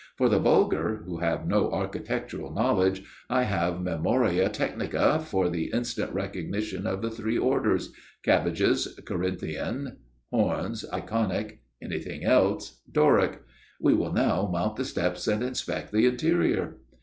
For the vulgar, who have no architectural knowledge, I have memoria technica for the instant recognition of the three orders Cabbages, Corinthian; horns, Ionic; anything else, Doric. We will now mount the steps and inspect the interior."